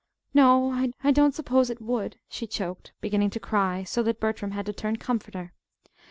"No, I don't suppose it would," she choked, beginning to cry, so that Bertram had to turn comforter.